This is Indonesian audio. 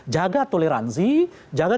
jaga toleransi jaga